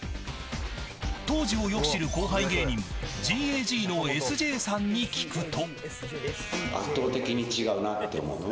当時をよく知る後輩芸人ＧＡＧのＳＪさんに聞くと。